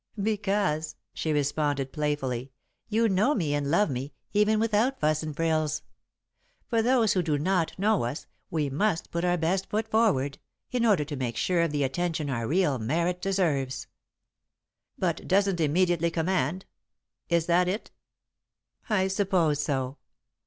"Because," she responded, playfully, "you know me and love me, even without fuss and frills. For those who do not know us, we must put our best foot forward, in order to make sure of the attention our real merit deserves." "But doesn't immediately command is that it?" "I suppose so."